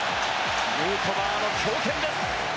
ヌートバーの強肩です。